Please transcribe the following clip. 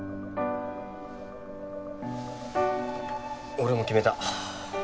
俺も決めた。